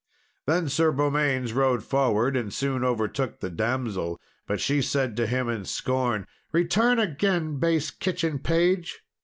Then Sir Beaumains rode forward, and soon overtook the damsel; but she said to him, in scorn, "Return again, base kitchen page!